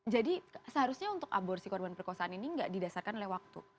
jadi seharusnya untuk aborsi korban perkosaan ini nggak didasarkan oleh waktu